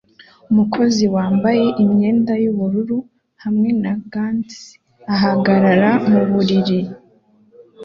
Umukozi wambaye imyenda yubururu hamwe na gants ahagarara muburiri